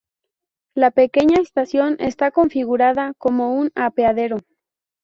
La pequeña estación está configurada como un apeadero.